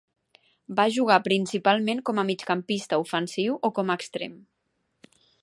Va jugar principalment com a migcampista ofensiu o com a extrem.